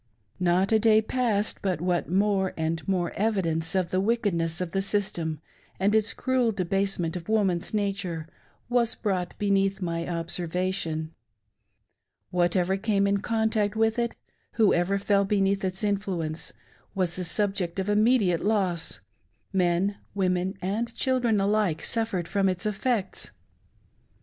Not a day passed but what more and more evidence of the wickedness of the system, and its cruel debasement of woman's nature, was brought beneath my observation. Whatever came in contact with it, whoever fell beneath its influence, was the subject of immediate loss ;— men, women, and children alike suffered from its effects.